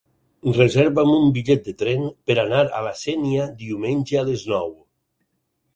Reserva'm un bitllet de tren per anar a la Sénia diumenge a les nou.